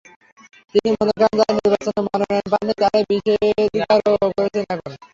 তিনি মনে করেন, যাঁরা নির্বাচনে মনোনয়ন পাননি, তাঁরাই বিষোদগার করছেন এখন।